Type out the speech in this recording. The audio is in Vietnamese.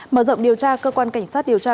mở rộng điều tra cơ quan cảnh sát điều tra